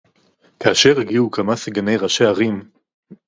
כאשר הגיעו כמה סגני ראשי ערים